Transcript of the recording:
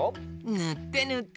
ぬってぬって！